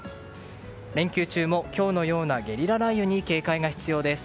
連休中も今日のようなゲリラ雷雨に警戒が必要です。